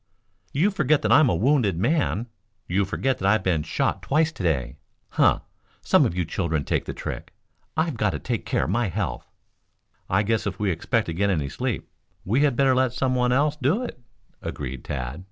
"You forget that I'm a wounded man. You forget I've been shot twice to day. Huh! Some of you children take the trick. I've got to take care of my health." "I guess if we expect to get any sleep we had better let some one else do it," agreed Tad.